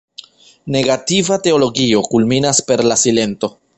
Negativa teologio kulminas per la silento.